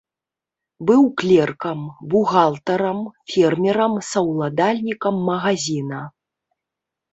Быў клеркам, бухгалтарам, фермерам, саўладальнікам магазіна.